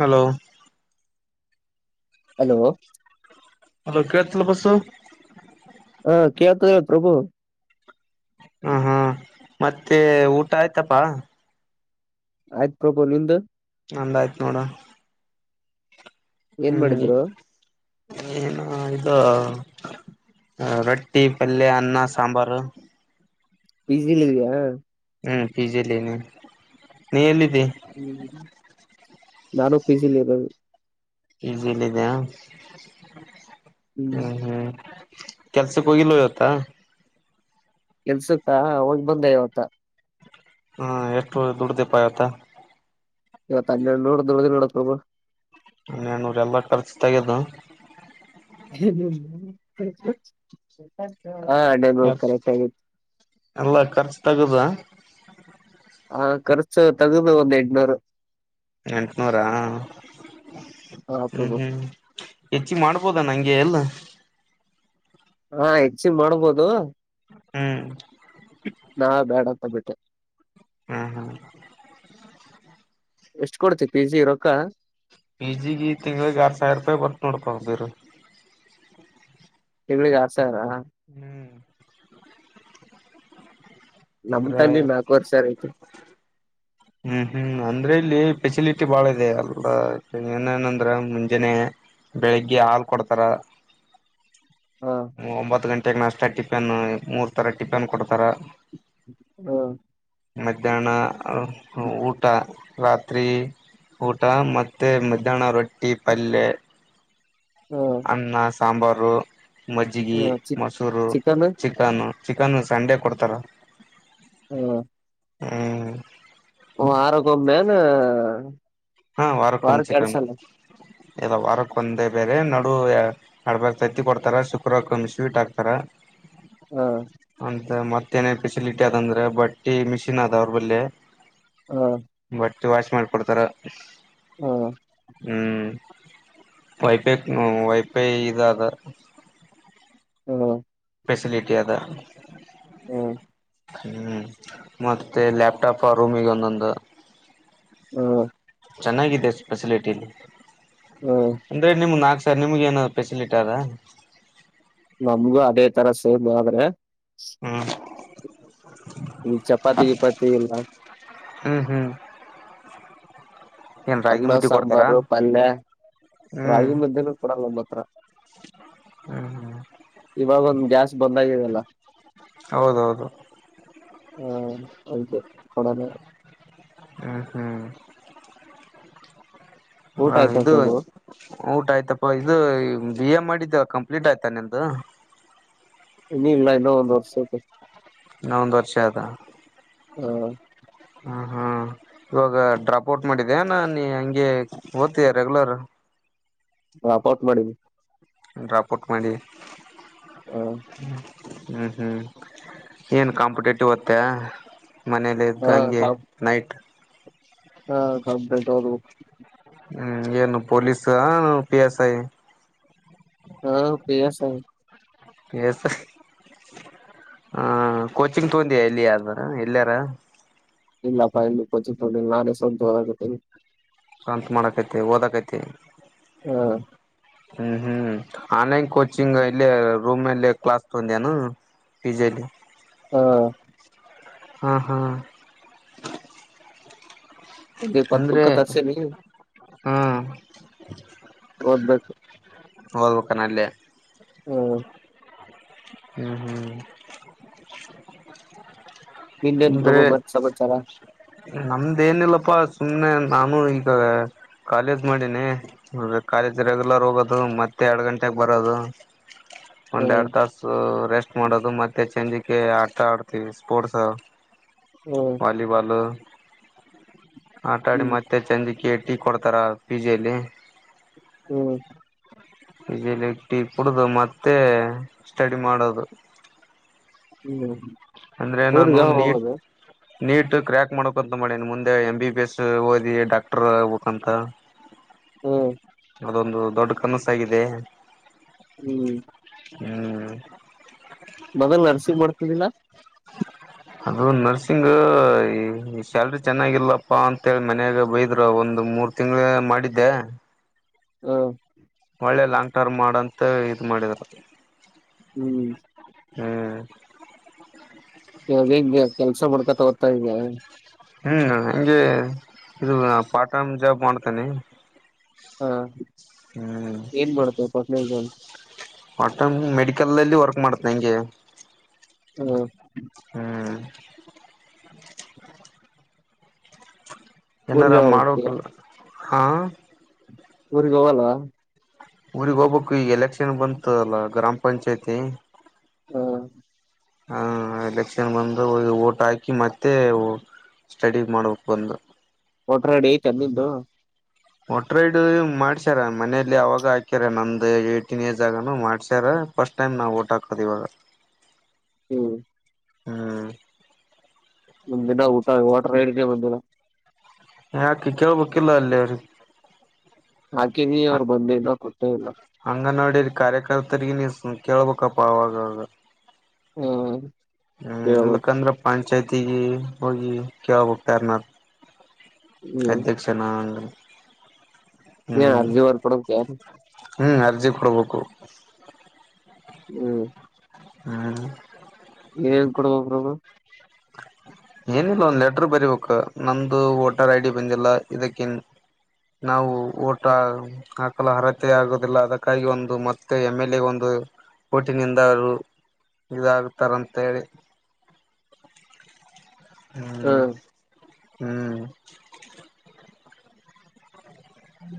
Hello hello hello ಕೇಳಳ್ಲ್ಲ ಬಸ ಹಾ ಕೇಳ್ತದೆ ಪ್ರಭು ಹ ಹಾ ಮತ್ತೆ ಊಟ ಆಯ್ತಪಾ ಆಯ್ತ್ ಪ್ರಭೋ ನಿಂದ ನಂದಾಯ್ತ್ ನೋಡ ಏನ್ ಹ್ಮ್ ಮಾಡಿದ್ರು ಏನು ಇದು ರೊಟ್ಟಿ ಪಲ್ಯ ಅನ್ನ ಸಾಂಬಾರು ಬಸಿಲ್ ಇದ್ಯಾಾ ಹ್ಮ್ ಪಿಜಲ್ಲೇನೆ ನೀ ಎಲ್ಲಿದ್ದೀ ಹ್ಮ್ ನಾನು ಪಿಿಸಿದು ಈಗಿಲ್ಲಿದೆ ಹ್ಮ್ ಕೆಲ್ಸಕ್ ಹೋಗಿಿಲ್ಲ ಇವತ್ತಾ ಎಲ್ಸುತ್ತಾ ಹೋಗ್ ಬಂದೆ ಇವತ್ತ ಹ್ಮ ಎಷ್ಟು ದುಡ್ಡ ದೀಪ ಆಯ್ತಾ ಇವ ತನ್ನೆ ಹ್ಣುಡ್ದ ನೋಡ ನ್ೂ್ರ ಎಲ್ಲಾ ಖರ್ಚು ತಗ್ಯದು ಹಾ ಯ ಹನ್ನೆರಡುನೂರು ಕರೆಕ್ಟ್ ಆಗಿತ್ತು ಎಲ್ಲ ಖರ್ಚು ತಗದಾ ಹಾ ಖರ್ಚು ತಗದು ಒಂದ್ ಎಂಟನೂರು ಎಂಟನೂರ ಹಾ ಹ್ಮ್ ಪ್ರಭು ಹ್ಮ್ ಹೆಚ್ಚ ಮಾಡ್ಬೋದ ನಂಗೆ ಎಲ್ಲ ಹಾ ಹೆಚ್ಚನ್ ಮಾಡ್ಬೋದು ಹ್ಮ್ ನಾ ಬೇಡ ಅಂತ ಬಿಟ್ಟೆ ಹ್ಮ್ ಹಾ ಎಷ್ಟು ಕೊಡ್ತಿವಿ ಪಿ ಜಿ ಇರೊಕ್ಕ ಪ ಜಿಗೆ ಈ ತಿಂಗಳಿಗೆ ಆ ಸಾವಿರ ರೂಪಾಯಿ ಬರ್ತ ನೋಡಡ್ ಬೇ ತಿೆಗ್ಗಳಿಗೆ ಆಸಾರ ಹ್ಮ್ ನಮ್ ಅಂದ್ರ ತಲ್ಲಿಿ ನಾಲ್ಕವರ್ ಸರ್ ಐತೆತಿ ಹ್ಮ್ ಹ್ಮ್ ಅಂದ್ರೆ ಇಲ್ಲಿ ಫೆಸಿಲಿಟಿ ಬಾಳ ಇದೆ ಅಲ್ ಏನೇನಂದ್ರ ಮುಂಜಾನೇ ಬೆಳಿಗ್ಗೆ ಹಾಲು ಕೊಡ್ತಾರ ಹಾ ಒಂಬತ್ತು ಗಂಟೆಗೆ ನಾಸ್ತ ಟಿಫೆನ್ ಮೂರ್ ತರ ಟಿಫೆನ್ ಕೊಡ್ತಾರ ಹಾ ಮಧ್ಯಾಹ್ನ ಊಟ ರಾತ್ರಿ ಊಟ ಮತ್ತು ಮಧ್ಯಾಹ್ನ ರೊಟ್ಟಿ ಪಲ್ಯೆ ಹಾ ಅನ್ನ ಸಾಂಬಾರು ಮಜ್ಜಿಗೆ ಹಾ ಚಿಕ್ ಮೊಸೂರು ಚಿಕನ್ ಚಿಕ್ ಚಿಕನ್ ಚಿಕನ್ ಸಂಡೆ ಕೊಡ್ತಾರ ಹ್ಮ ಹ್ಮ ಹ್ಮ್ಮ್ ಆರಗೋಮನ್ನು ಮೇನ ಹಾ ವಾರಕ್ಕ ಒಮ್ಮ ಚಿಕನ ಇಲ್ಲ ವಾರಕ್ಕ ಒಂದೆ ಬೇರೆ ನಡು ಆಡ್ಬಾರ ತತ್ತಿ ಕೊಡ್ತಾರ ಶುಕ್ರ ಕಮ್ಮಿ ಸ್ವೀಟ್ ಹಾತಾರ ಹಾ ಅಂತ ಮತ್ತೇಏನೇನ್ ಫೆಸಿಲಿಟಿ ಅದಂದ್ರೆ ಬಟ್ಟಿ ಮಿಷಿನ್ ಅದ ಅವ್ರ ಬಲ್ಲಿಿ ಹಾ ಬಟ್ಟ ವಾಶ್ ಮಾಡ್ಕೊಡ್ತಾರ ಹಾ ಹ್ಮ್ ವೈಫೈ ವೈಫೈ ಇದ ಅದ ಹ್ಮ ಸಲಿಟಿಯ ಅದ ಹಾ ಹ್ಮ್ ಮತ್ತೆ ಲ್ಯಾಪ್ಟಾಪ್ ರೂಮ್ಗ ಒಂದೊಂದು ಹ ಚೆನ್ನಾಗಿದೆ ಫೆಸಿಲಿಟೀಲಿ ಹ್ಮ ಅಂದ್ರೆಮ್ ನಾಲ್ಕ್ ಸರ್ ನಿಮ್ಗೆ ಏನ ೆಸಿಲಿಟಿ ಅಾ ನಮ್ಗೂ ಅದೇ ತರ ಸೇಮ್ ಆದ್ರೆ ಹ್ಮ್ [inaudible] ಇಲ್ಲಿ ಚಪಾತಿಗೀಪಾತಿ ಇಲ್ಲ ಹ್ಮ್ ಹ್ಮ್ ಏನ್ ರಾಗಿ ಅನ್ನ ಮುದ್ದಿ ಕೊಡ್ತಾರಾ ಸಾಂಬಾರು ಪಲ್ಯ ಹ್ಮ್ ರಾಗಿ ಮದ್ದನ ಕೊೂಡಲ್ಲ ನಮ್ಮ ಹತ್ರ ಹ್ಮ್ ಹ್ಮ್ ಇವಾಗ ಒಂದ್ ಗ್ಯಾಸ್ ಬಂದ್ ಆಗಿದೆಲ್ಲ ಹೌದೌದು ಹಾ ಅದು ಕೊಡ ಹ್ಮ್ ಹ್ಮ್ ಊಟ ಹಾ ಆಯ್ತಾ ಇದು ಪ್ರಭು ಊಟ ಆಯ್ತಪ್ಪ ಇದು ಬಿ ಎ ಮಾಡಿದ್ದೇವ ಕಂಪ್ಲೀಟ್ ಆಯ್ತಾ ನಿ್ದು ಇನ್ನ ಇಲ್ಲ ಇನ್ನೊ ಒಂದ್ ವರ್ಷ ನೊಂದು ವರ್ಷ ಆದ ಹ್ಮ ಹ್ಮ ಹ್ಮ್ ಇವಾಗ ಡ್ರಾಪ್ ಔಟ್ ಮಾಡಿದೆ ನ ನೀ ಹಂಗೆ ಓದ್ತಿದಯ ರೆಗ್ಯುಲರ್ ವಾಪ್ ಔಟ್ ಮಾಡಿದಿ ಡ್ರಾಪೋಟ್ ಮಾಡಿ. ಹಾ ಹ್ಮ ಹ್ಮ್ ಹ್ಮ್ ಏನ್ ಕಾಂಪಿಟೇಟಿವ್ [unintelligible] ಮನೆ [unintelligible] ಹ ಗಂಗೆ ನೈಟ್. ಹಾ [unintelligible] ಹಓದ್ಬೇಕು. ಹ್ಮ್ ಏನು ಪೊಲೀಸ್ ಪಿ ಎಸ್ ಐ. ಆಹ್ಹ್ ಪಿ ಎಸ್ ಐ. [unintelligible] [unintelligible] ಇಲ್ಲಾಪ್ಪ ಇಲ್ಲಿ ಕೋಚಿಂಗ್ [unintelligible] ನಾನೇ [unintelligible] ಕಾಂತ್ ಮಾಡಕೈತೆ ಓದಕೈತೆ. [unintelligible] ಹ್ಮ್ ಹ್ಮ್ ಆನ್ಲೈನ್ ಕೋಚಿಂಗ್ ಇಲೇ ರೂಮಲೇ ಕ್ಲಾಸ್. [unintelligible] ಹಾ ಹಾ ಹಾ ಒಂದು ಇಪ್ಪತ್ತು ಅಂದ್ರೆ ಬುಕ್ಕ ತರ್ಸೀನಿ ಹಾ ಓದ್ಬೇಕು ಓದ್ಬೇಕಾನಲ್ಲೇ ಹ್ಮ ಹ್ಮ್ ಹ್ಮ್ ಇಂಡಿಯನ್ ಪ್ರೊಬೋ ಬರ್ ಸಬ ಸಲ್ಲ ನಮ್ದ ಏನಿಲ್ಲಪ್ಪಾ ಸುಮ್ನೆ ನಾನು ಇದತದೆ ಕಾಲೇಜ್ ಮಾಡಿನಿ ಕಾಲೇಜ್ ರೆಗ್ಯುಲರ್ ಹೋಗೋದು ಮತ್ತೆ ಎರಡು ಗಂಟೆಗೆ ಬರೋದು [inaudible] ಹ ಒಂದು ಎರಡು ತಾಸು ರೆಸ್ಟ್ ಮಾಡೋದು ಮತ್ತೆ ಚೆಂಜಕ್ಕೆ ಆಡ್ತಾ ಆಡ್ತೀವಿ ಸ್ಪೋರ್ಟ್ಸ ಹ ವಾಲಿಬಾಲ್ ಆಟಾಡಿ ಹ್ಮ್ ಮತ್ತೆ ಚಂದಿಕ ಟೀ ಕೊಡ್ತಾರ ಪಿಜಲಿ ಹ್ಮ್ ಈಲಿಟ್ಟಿ ಪಡ್ದ ಮತ್ತೆ ಸ್ಟಡಿ ಮಾಡೋದು ಹ್ಮ್ ಅಂದ್ರೆ ಊರ್ಗ ನಾನು ಯಾವಾಗ ನೀಟ್ ಹೋಗೋದು ನೀಟ್ ಕ್ರ್ಯಾಕ್ ಮಾಡಕಂತ ಮಾಡಿನ್ ಮುಂದೆ ಎಂ ಬಿ ಬಿ ಎಸ್ ಓದಿ ಡಾಕ್ಟರ್ ಆಗ್ಬೇಕಂತ [inaudible] ಹ್ಮ್ ಅದೊಂದು ದೊಡ್ಡ ಕನಸಾಗಿದೆ ಹ್ಮ್ ಹ್ಮ್ ಮೊದಲ್ ನರ್ಸಿಗ್ ಮಾಡ್ತಿದ್ದಿಲ್ಲಾ ಅದು ನರ್ಸಿಂಗ್ ಈ ಶ್ಯಾಲ್ರಿ ಚೆನ್ನಾಗಿಲ್ಲಪ್ಪಾ ಅಂತೇಳಿ ಮನ್ಯಾಗ ಬೈದ್ರು ಒಂದು್ ಮೂರ್ ತಿಂಗಳು ಮಾಡಿದ್ದೆ ಹಾ ಒಳ್ಳೆ ಲಾಂಗ್ ಟರ್ಮ್ ಮಾಡಂತ ಇದ್ ಮಾಡಿದರು ಹ್ಮ್ ಹ್ಮ್ ಯೇಂಗ ಕೆಲ್ಸ ಮಾಡ್ಕೊತಗೋತಾ ಈಗ ಹೂ ಹಂಗೆ ಇದು ಪಾರ್ಟ್ ಟೈಮ್ ಜಾಬ್ ಮಾಡ್ತೇನೀ ಹಾ ಹ್ಮ್ ಏನ್ ಮಾಡೋದು part time job part time ಮೆಡಿಕಲ್ಲ್ಲಿ ವರ್ಕ್ ಮಾಡತ ಹಂಗೆ ಹೂ ಹೂ ಊರ್ಗ ಏನಾರ ಯಾವಾಗ ಹೋಗ್ತೀಯ ಮಾಡೋಕಲ್ಲ ಹಾ ಊರಿಗೆ ಹೋಗಲ್ಲ ಊರಿಗೆ ಹೋಗ್ಬೇಕು ಈಗ ಎಲೆಕ್ಷನ್ ಬಂತದಲ್ಲ ಗ್ರಾಮ ಪಂಚಾಯ್ತಿ ಹೂ ಹಾ ಎಲೆಕ್ಷನ್ ಬಂದು ಓಟ್ ಹಾಕಿ ಮತ್ತೆ ಸ್ಟಡಿ ಮಾಡೋಕ್ಕೆ ಬಂದು ಒಟ್ರಾಡಿ ಐತ ನಿಂದು ವೋಟರ್ ರೈಡ್ ಮಾಡ್ಸ್ಯಾರ ಮನೇಲಿ ಅವಾಗ ಹಾಕ್ಯಾರ ನಮ್ದ್ ಏಟೀನ್ ಏಜ್ ಆಗಾನ ಮಾಡ್ಸ್ಯಾರ ಫಸ್ಟ್ ಟೈಮ್ ನಾವು ಓಟ್ ಹಾಕೋದು ಇಿವಾಗ ಹೂ ಹೂ ಒಂದ್ಿನ ಊಟ ವಾಟರ್ ಐಡಿ ನೆ ಬಂದಿಲ್ಲ ಯಾಕೆ ಕೇಳ್ಬೇಕಿಲ್ಲ ಅಲ್ಲಿ ಅವ್ರಿಗೆ ಹಾಕಿನಿ ಅವ್ರು ಬಂದ ಇಲ್ಲ ಕೊಟ್ಟೇ ಇಲ್ಲ ಹಂಗ ನೋಡಿ ಕಾರ್ಯಕರ್ತರಿಗೆ ನೀ ಕೇಳ್ಬೇಕಪ್ಪ ಅವಾಗಾಗ ಹೂ ಹೂ ಇಲ್ಲಕಂದ್ರ ಪಂಚಾಯ್ತಿಗ ಹೋಗಿ ಕೇಳಬೇಕು ಹೋಗಿ ಯರ್ನನ ಹ್ಮ್ ಅಧ್ಯಕ್ಷನಂಗ ಹೇಳು ಅರ್ಜವರ ಪಡೋ ಕಾರ ಹೂ ಅರ್ಜಿ ಕೊಡಬೇಕು ಹೂ ಹಾ ಏನ್ೇನ್ ಕೊಡಬಬ್ರರು ಏನಿಲ್ಲ ಒಂದ್ ಲೆಟರ್ ಬರಿಬೇಕ ನಮ್ದು ವೋಟರ್ ಐ ಡಿ ಬಂದಿಲ್ಲ ಇದಕ್ಕಿನ್ ನಾವು ಓಟ ಆಾಕಲ್ಲ ಹರತೆೆ ಆಗುದಿಲ್ಲ ಅದಕ್ಕಾಗಿ ಒಂದು ಮತ್ತೆ ಎಮ್ ಎಲ್ ಎ ಒಂದು ಕೋಟಿನಿಂದ ಅವರು ಇದಾಗುತ್ತಾರ ಅಂತೇಳಿ ಹಾ ಹೂ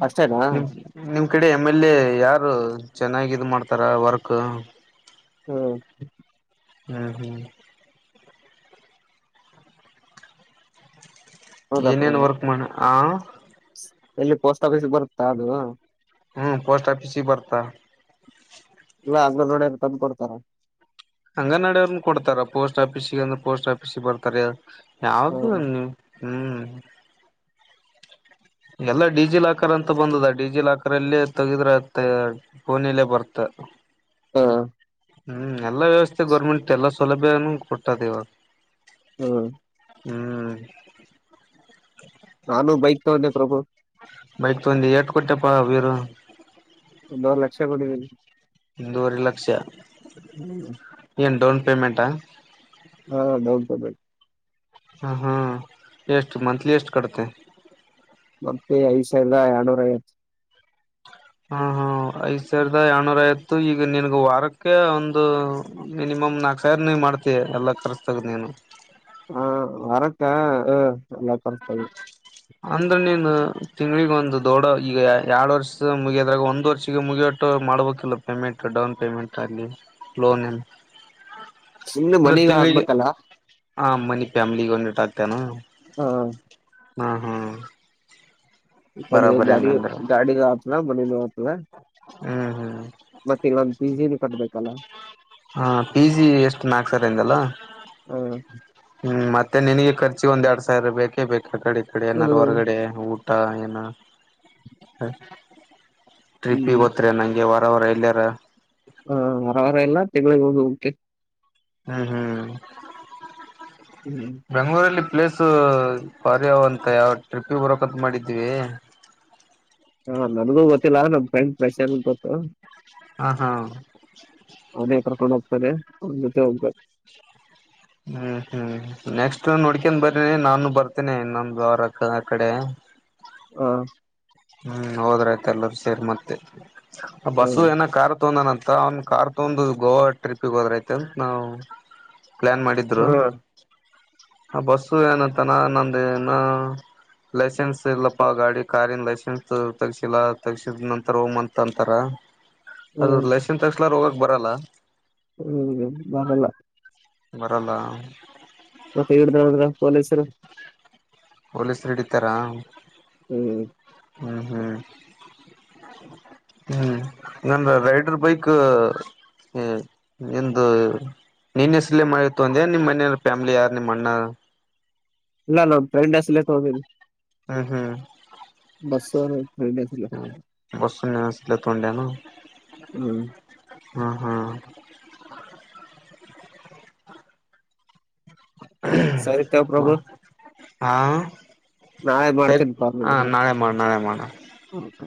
ಅಷ್ಟೇನಾ ನಿಮ್ ನಿಮ್ ಕಡೆ ಎಮ್ ಎಲ್ ಎ ಯಾರು ಚೆನ್ನಾಗ ಇದ್ನ ಮಾಡ್ತಾರ ವರ್ಕ್ ಹೂ ಹೂ ಹೂ ಹೌದಾ ಏನೇನ್ ಪ್ರಭು ವರ್ಕ್ ಮಾಡ ಆ ಎಲ್ಲಿ ಪೋಸ್ಟ್ ಆಫೀಸ್ ಬರುತ್ತಾ ಅದು ಹೂ ಪೋಸ್ಟ್ ಆಫೀಸಿಗೆ ಬರ್ತಾ ಇಲ್ಲ ಅಗ್ರ ನೋಡ ತಂದು ಕೊಡ್ತಾರ ಹಂಗ ನಡೋ್ರನ್ನ ಕೊಡ್ತಾರ ಪೋಸ್ಟ್ ಆಫೀಸಗ ಅಂದ್ರೆ ಪೋಸ್ಟ್ ಆಫೀಸಿಗೆ ಬರ್ತಾರ ಯಾವ್ದ ಹ್ಮ್ ನೀವು ಹೂ ಎಲ್ಲ ಡಿಜಿ ಲಾಕರ್ ಅಂತ ಬಂದದ ಡಿಜಿ ಲಾಕರ್ ಅಲ್ಲೇ ತಗಿದ್ರೆ ಅತ್ತೆ ಪೋನಲೆ ಬರ್ತ್ ಹಾ ಹ್ಮ್ ಎಲ್ಲಾ ವ್ಯವಸ್ಥೆ ಗೌರ್ಮೆಂಟ್ ಎಲ್ಲಾ ಸೌಲಭ್ಯನೂ ಕೊಟ್ಟದೆ ಇವಾಗ ಹ್ಮ ಹ್ಮ್ ನಾನು ಬೈಕ್ ತಗೋಂಡೆ ಪ್ರಭು ಬೈಕ್ ತಗೋಂದಿ ಎಟ್ ಕೊಟ್ಟಪ್ಪಾ ವೀರು ಒಂದವರೆ ಲಕ್ಷ ಕೊಡಿದ್ದೀರಿ ಒಂದೂವರೆ ಲಕ್ಷ ಏನು ಡೌನ್ ಪೇಮೆಂಟಾ ಹಾ [unintelligible] ಹ ಹಾ ಎಷ್ಟು ಮಂತ್ಲಿ ಎಷ್ಟು ಕಡಿತಿ ಮತ್ತೆ ಐದ ಸಾವಿರ ಎರಡ್ನೂರ ಐವತ್ತು ಹಾ ಹಾ ಐದ್ ಸಾವಿರದ ಏರಡನೂಯವತ್ತು ಈಗ ನನ್ಗ ವಾರಕ್ಕೆ ಒಂದು ಮಿನಿಮಮ್ ನಾಲ್ಕರ್ನ ಮಾಡ್ತಯ ಎಲ್ಲಾ ಕರೆಕ್ಟಾಗಿ ನೀನು ಹಾ ವಾರಕ್ಕೆ ಹ ಎಲ್ಲಾ ಕೊರ್ಸ್ತದೆ ಅಂದ್ರೆ ನೀನು ತಿಂಗಳಿಗ ಒಂದು ದೊಡ್ಡ ಈಗ ಎರಡ್ ವರ್ಷದ ಮುಗಿಯದ್ರಾಗ ಒಂದ್ ವರ್ಷಗ ಮುಗಿಯ ಟ್ಟ ಮಾಡ್ಬೇಕಿಲ್ಲ ಪೇಮೆಂಟ್ ಡೌನ್ ಪೇಮೆಂಟಲ್ಲಿ ಲೋನ್ ಏನು ಸುಮ್ನೆ ಅದ ಮನೆಗೂ ತಿಂಗಳಿಗೆ ಹಾಕ್ಬೇಕಲ್ಲ ಹ ಮನಿ ಫ್ಯಾಮಿಲಿಗೆ ಒಂದಟ್ ಆಗ್ತೇನಾ ಹ್ಮ ಹ್ಮ್ ಹ್ಮ್ ಇ ಕಡೆ ಗಾಡಿ ಗಾಡಿ ರತನಾ ಬನ ಹೋಗತದ ಹ್ಮ್ ಹ್ಮ್ ಮತ್ತೆ ಇನ್ನೊಂದಂದು ಪಿಜಿನು ಕಟ್ಬೇಕಲ್ಲ ಹಾ ಪಿ ಜಿ ಎಷ್ಟು ನಾಲ್ಕು ಸಾವಿರ ಅಂದಿಲಾ ಹ ಹ್ಮ್ ಮತ್ತೆ ನಿನಗೆ ಖರ್ಚಿ ಒಂದ ಎರಡ್ ಸಾವಿರ ಬೇಕೇ ಬೇಕ ಆ ಕಡೆ ಈ ಕಡೆ ಏದಾರು ಹ್ಮ್ ಹೊರಗಡೆ ಊಟಾ ಹ್ಮ್ [unintelligible] ನಂಗೆ ವಾರವಾರ ಎಲ್ಲಯಾರ ಹಾ ವಾರ ಇಲ್ಲಾ ತಿಂಗಳಿಗೋಮೆ ಹೋಕಿನಿ ಹ್ಮ್ ಹ್ಮ್ ಹ್ಮ್ ಬೆಂಗ್ಳೂರಲ್ಲಿ ಪ್ಲೇಸು ಬಾರಿ ಅವ ಅಂತ ಯಾವ ಟ್ರಿಪ್ಪಿಗೆ ಬರೋಕಂತ ಮಾಡಿದ್ದೀವಿ ಹಾ ನನಗೂ ಗೊತ್ತಿಲ್ಲಾ ನಮ ಫ್ರೆಂಡ್ ಫೆಶ್ನ್ ಗೊತ್ತು ಹಾ ಹಾ ಅವನೇ ಕರ್ಕೊಂಡ್ ಹೋಗ್ತಾನ ಅವನ ಜೊತೆ ಹೋಗ್ಬೇಕು ಹ್ಮ್ ಹ್ಮ್ ನೆಕ್ಸ್ಟ್ ನೋಡ್ಕನ್ ಬರಿ ನಾನು ಬರ್ತೇನೆ ಇನ್ನೊಂದ ವಾರಕ ಆ ಕಡೆ ಹ ಹ್ಮ್ ಹೋದ್ರಯ್ತ ಎಲ್ಲರೂ ಸೇರಿ ಮತ್ತೆ ಆ ಹ್ಮ್ ಬಸು ಏನ ಕಾರ್ ತೋಂದನಂತ ಅವನ್ ಕಾರ್ ತಗಂದು ಗೋವಾ ಟ್ರಿಪ್ಗೆ ಹೋದ್ರಐತೆ ಅಂತ ನಾವು ಪ್ಲಾನ್ ಮಾಡಿದ್ರು ಹ್ಮ್ ಆ ಬಸು ಏನಂತಾನ ನಂದು ಇನ್ನ್ ಲೈಸೆನ್ಸ್ ಇಲ್ಲಪ್ಪ ಗಾಡಿ ಕಾರ್ ದು ಲೈಸೆನ್ ಲೈಸೆನ್ಸ್ ತಗಸಿಲ್ಲ ತಗ್ಸಿದ ನಂತರ ಹೋಗುಮ ಅಂತ ಅಂತಾರ ಅದಿರ್ ಲೈಸೆನ್ಸ್ ಎಲ ಹೋಗಕ್ ಬರಲ್ಲ ಹ್ಮ್ ಬರಲ್ಲ ಬರಲ್ಲ ಮತ್ತೆ ಹಡ್ದದ್ರ ಪೊಲೀಸರು ಪೊಲೀಸರು ಹಿಡೀತಾರಾ ಹ್ಮ್ ಹ್ಮ್ ಹ್ಮ್ ಹ್ಮ್ ನನ್ ರೈಡರ್ ಬೈಕ್ ಹ್ಮ್ ನಿದ ನೀನ್ ಹೆಸಲಿ ಮಾಡಿತ್ತು ಒಂದೆ ನಿಮ್ಮ್ ಮನ ಫ್ಯಾಮಿಲಿ ಯಾರು ನಿಮ್ಮ್ ಅಣ್ಣ ನಾಾನ ಬ್ರೆಂಡ ಅಲ ತರಿ ಹ್ಮ್ ಹ್ಮ್ ಬಸ ರೆಡಿ ಬಸಸಿಲ್ಲ ತುಡಂಡನು ಹ್ಮ ಹ್ಮ್ ಹ್ಮ್ ಸರಿ ತಗೋ ಪ್ರಭು ಹಾ ನಾಳೆ ಸರಿ ಮಾಡ್ತೀನಿ ಹ ನಾಳೆ ಮಾಡ ನಾಳೆ ಮಾಡಣ ಹೌಕ